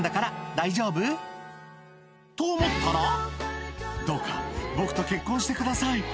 「大丈夫？」と思ったら「どうか僕と結婚してください」